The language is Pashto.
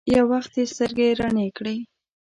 يو وخت يې سترګې رڼې کړې.